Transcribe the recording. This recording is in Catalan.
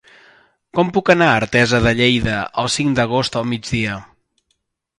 Com puc anar a Artesa de Lleida el cinc d'agost al migdia?